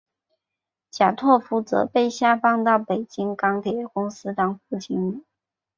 贾拓夫则被下放到北京钢铁公司当副经理。